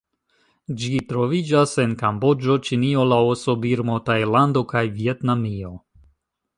Ĝi troviĝas en Kamboĝo, Ĉinio, Laoso, Birmo, Tajlando kaj Vjetnamio.